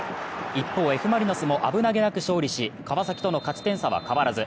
一方、Ｆ・マリノスも危なげなく勝利し川崎との勝ち点差は変わらず。